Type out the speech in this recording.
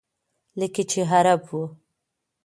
لکه چې عرب و.